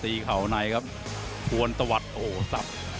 เข่าในครับชวนตะวัดโอ้โหสับ